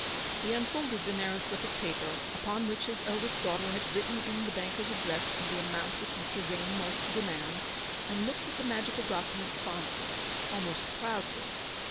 He unfolded the narrow slip of paper upon which his eldest daughter had written the banker's address and the amount which Mr. Vane was to demand, and looked at the magical document fondly, almost proudly.